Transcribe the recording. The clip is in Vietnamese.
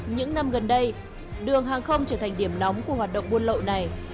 những năm gần đây đường hàng không trở thành điểm nóng của hoạt động buôn lậu này